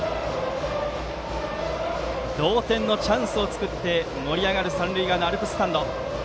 同点のチャンスを作って盛り上がる三塁側のアルプススタンド。